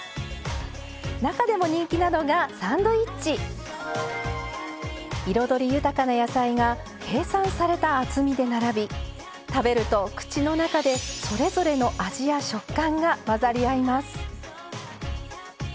中でも人気なのが彩り豊かな野菜が計算された厚みで並び食べると口の中でそれぞれの味や食感が混ざり合います